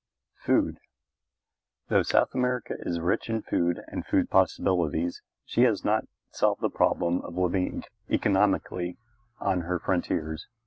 FOOD Though South America is rich in food and food possibilities, she has not solved the problem of living economically on her frontiers.